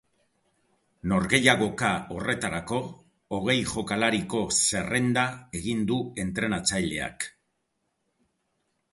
Norgehiagoka horretarako hogei jokalariko zerrenda egin du entrenatzaileak.